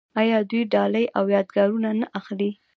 آیا دوی ډالۍ او یادګارونه نه اخلي؟